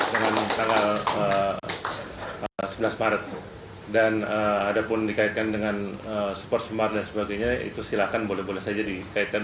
dengan tanggal sebelas maret dan ada pun dikaitkan dengan super smart dan sebagainya itu silakan boleh boleh saja dikaitkan